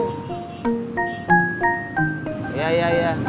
tukang kompa yang lu susulin gak nemu